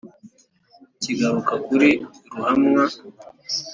kigaruka kuri ruhamwa.